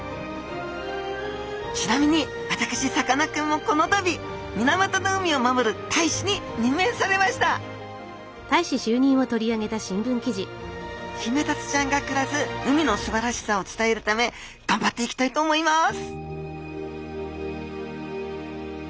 ちなみに私さかなクンもこのたび水俣の海を守る大使に任命されましたヒメタツちゃんが暮らす海のすばらしさを伝えるためがんばっていきたいと思います！